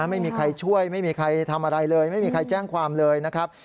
ไม่มีใครช่วยไม่มีใครทำอะไรเลยไม่มีใครแจ้งความเลยนะครับ